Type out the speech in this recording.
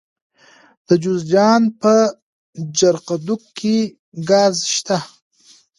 د جوزجان په جرقدوق کې ګاز شته.